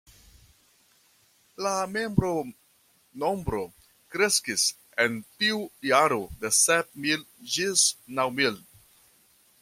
La membronombro kreskis en tiu jaro de sep mil ĝis naŭ mil.